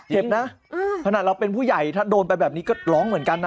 เจ็บนะขนาดเราเป็นผู้ใหญ่ถ้าโดนไปแบบนี้ก็ร้องเหมือนกันนะ